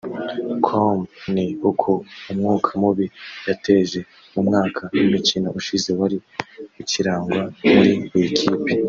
com ni uko umwuka mubi yateje mu mwaka w’imikino ushize wari ukirangwa muri iyi kipe